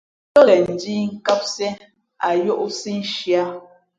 Ngα̌ kάghen ndǐh kāmsiē á yǒhsī nshi ā.